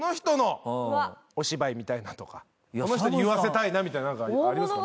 この人に言わせたいなみたいな何かありますか？